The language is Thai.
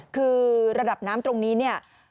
คือระดับน้ำตรงนี้เนี่ย